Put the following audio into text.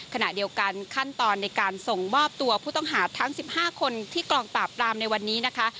ขณะเดียวกันขั้นตอนในการส่งมอบตัวผู้ต้องหาทั้ง๑๕คนที่กองปราบปรามในวันนี้นะคะ